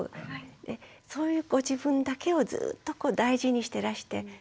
そういうご自分だけをずっとこう大事にしてらして。